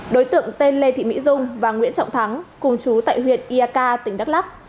đối tượng tên lê thị mỹ dung và nguyễn trọng thắng cùng chú tại huyện iaka tỉnh đắk lắk